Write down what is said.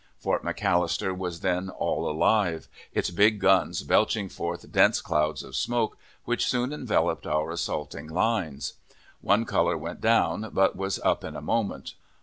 Fort McAllister was then all alive, its big guns belching forth dense clouds of smoke, which soon enveloped our assaulting lines. One color went down, but was up in a moment.